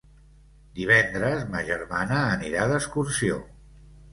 Divendres ma germana anirà d'excursió.